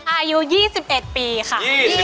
อายุ๒๑ปีค่ะ